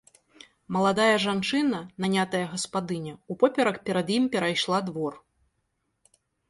Маладая жанчына, нанятая гаспадыня, упоперак перад ім перайшла двор.